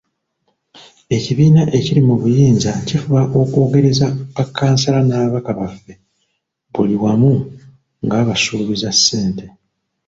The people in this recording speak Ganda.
Ekibiina ekiri mu buyinza kifuba okwogereza bakkansala n'ababaka baffe buli wamu nga babasuubiza ssente.